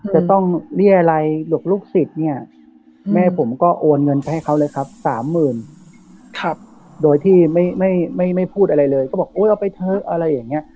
จะต้องเรียรัยหลุกลูกศิษย์เนี่ยแม่ผมก็โอนเงินไปให้เขาเลยครับสามหมื่นโดยที่ไม่พูดอะไรเลยก็บอกโอ๊ยเอาไปเถอะอะไรอย่างนี้